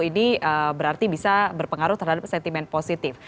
ini berarti bisa berpengaruh terhadap sentimen positif